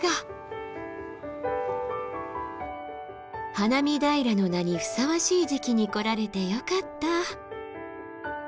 「花見平」の名にふさわしい時期に来られてよかった！